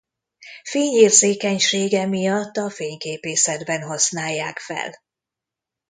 Fényérzékenysége miatt a fényképészetben használják fel.